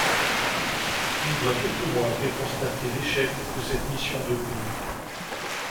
Il doit quelques mois après constater l'échec de cette mission de paix.